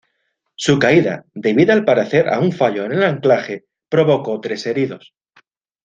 Su caída, debida al parecer a un fallo en el anclaje, provocó tres heridos.